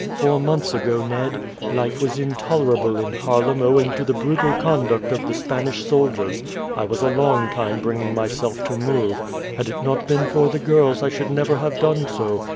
"Four months ago, Ned. Life was intolerable in Haarlem owing to the brutal conduct of the Spanish soldiers. I was a long time bringing myself to move. Had it not been for the girls I should never have done so.